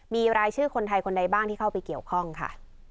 มีรายชื่อคนไทยคนใดบ้างที่เข้าไปเกี่ยวข้องค่ะ